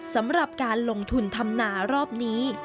สำหรับการลงทุนทำนารอบนี้